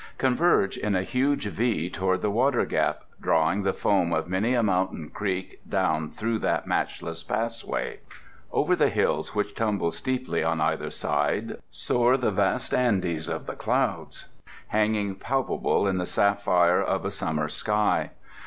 converges in a huge V toward the Water Gap, drawing the foam of many a mountain creek down through that matchless passway. Over the hills which tumble steeply on either side soared the vast Andes of the clouds, hanging palpable in the sapphire of a summer sky.